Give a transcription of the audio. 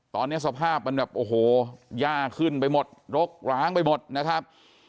ตอนนี้สภาพมันแบบโอ้โหย่าขึ้นไปหมดรกร้างไปหมดนะครับ